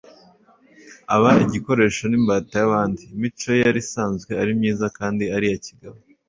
aba igikoresho n'imbata y'abandi. imico ye yari isanzwe ari myiza kandi ari iya kigabo